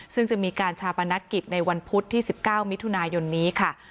ซึ่งจะมีการชาปนกิจในวันพุธที่๑๙มิถุนายนนี้ค่ะ